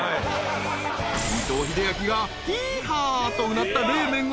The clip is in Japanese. ［伊藤英明がヒーハーとうなった］